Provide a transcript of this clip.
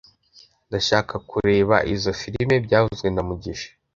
Ndashaka kureba izoi firime byavuzwe na mugisha